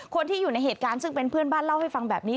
คนที่อยู่ในเหตุการณ์ซึ่งเป็นเพื่อนบ้านเล่าให้ฟังแบบนี้